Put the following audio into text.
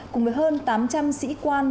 cùng với hơn tám trăm linh sĩ quan